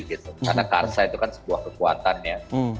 karena karsa itu kan sebuah kekuatannya